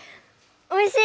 おいしい！